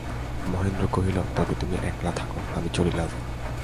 মহেন্দ্র কহিল, তবে তুমি একলা থাকো, আমি চলিলাম।